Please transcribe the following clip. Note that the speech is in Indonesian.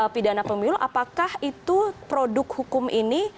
pidana pemilu apakah itu produk hukum ini